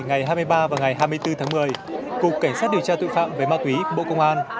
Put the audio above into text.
ngày hai mươi ba và ngày hai mươi bốn tháng một mươi cục cảnh sát điều tra tội phạm về ma túy bộ công an